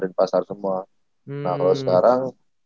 denpasar semua nah kalau sekarang